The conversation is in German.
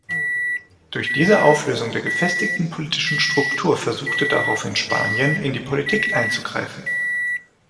Durch diese Auflösung der gefestigten politischen Struktur versuchte daraufhin Spanien, in die Politik einzugreifen.